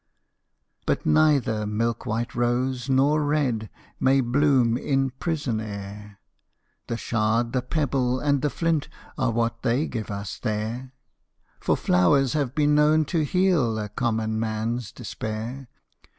But neither milk white rose nor red May bloom in prison air; The shard, the pebble, and the flint, Are what they give us there: For flowers have been known to heal A common manâs despair.